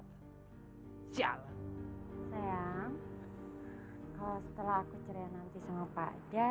maafkan bapak ya